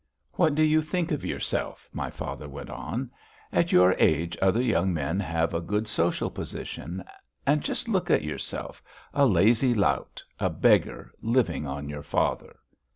"What do you think of yourself?" my father went on. "At your age other young men have a good social position, and just look at yourself: a lazy lout, a beggar, living on your father!"